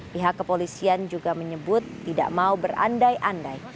pihak kepolisian juga menyebut tidak mau berandai andai